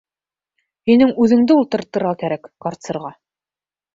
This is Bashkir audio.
Һинең үҙеңде ултыртырға кәрәк карцерға!